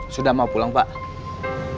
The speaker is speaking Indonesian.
sudah mau pulang pak